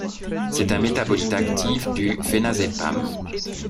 C'est un métabolite actif du phénazépam.